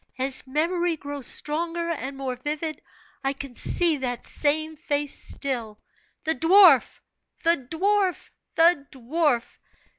As memory grows stronger and more vivid, I can see that same face still the dwarf! the dwarf! the dwarf!